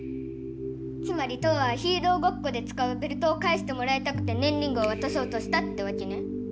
つまりトアはヒーローごっこでつかうベルトをかえしてもらいたくてねんリングをわたそうとしたってわけね。